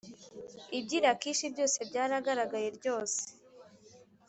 iby i Lakishi byose byaragaragaye ryose